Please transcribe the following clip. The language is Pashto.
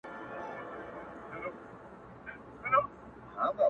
درد راسره خپل سو، پرهارونو ته به څه وایو!